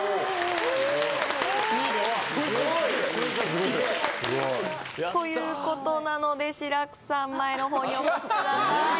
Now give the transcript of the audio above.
すげえすごいということなので志らくさん前のほうにお越しください